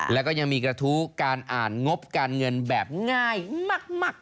แล้วก็ยังมีกระทู้การอ่านงบการเงินแบบง่ายมาก